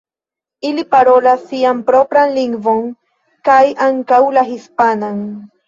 Ili parolas sian propran lingvon kaj ankaŭ la hispanan.